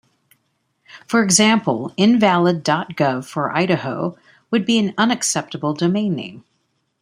For example, invalid dot gov for Idaho would be an unacceptable domain name.